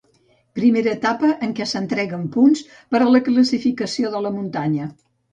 Primera etapa en què s'entreguen punts per a la classificació de la muntanya.